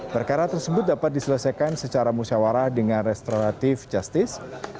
perkara tersebut dapat diselesaikan secara musyawarah dengan restoratif justice